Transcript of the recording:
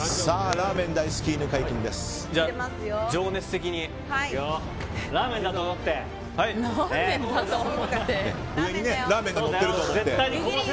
ラーメン大好き犬飼君です。